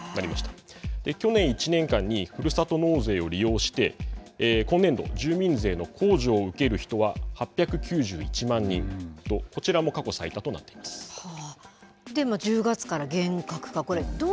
去年１年間にふるさと納税を利用して今年度住民税の控除を受ける人は８９１万人とこちらも過去最多でも１０月から厳格化